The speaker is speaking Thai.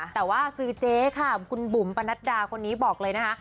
แต่ว่าซื้อเจ๊ค่ะคุณบุ๋มปะนัดดาคนนี้บอกเลยนะคะ